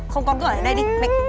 không con cứ ở đây đi